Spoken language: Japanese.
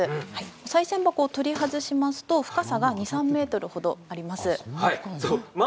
おさい銭箱を取り除きますと深さが２ｍから３ｍあります。